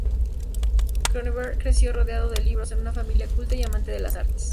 Cronenberg creció rodeado de libros, en una familia culta y amante de las artes.